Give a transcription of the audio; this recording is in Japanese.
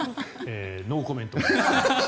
ノーコメントで。